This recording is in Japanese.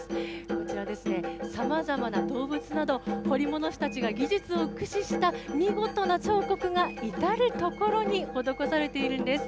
こちらですね、さまざまな動物など、彫り物師たちが技術を駆使した見事な彫刻がいたるところに施されているんです。